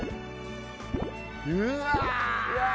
うわ！